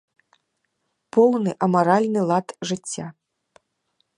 Поўны амаральны лад жыцця.